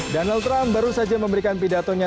donald trump baru saja memberikan pidatonya